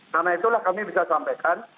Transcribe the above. karena itulah kami bisa sampaikan